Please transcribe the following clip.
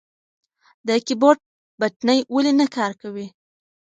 د کیبورډ بټنې ولې نه کار کوي؟